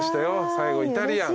最後イタリアン。